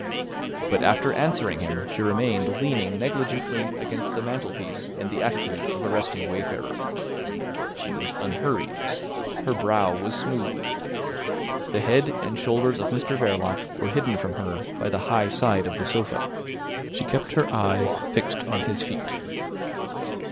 But after answering him she remained leaning negligently against the mantelpiece in the attitude of a resting wayfarer. She was unhurried. Her brow was smooth. The head and shoulders of Mr Verloc were hidden from her by the high side of the sofa. She kept her eyes fixed on his feet.